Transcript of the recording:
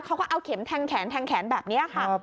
เขาก็เอาเข็มแทงแขนแทงแขนแบบนี้ค่ะ